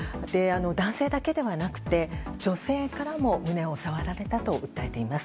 男性だけではなくて女性からも胸を触られたと訴えています。